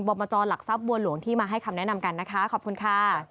บจหลักทรัพย์บัวหลวงที่มาให้คำแนะนำกันนะคะขอบคุณค่ะ